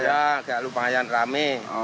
ya tidak lumayan rame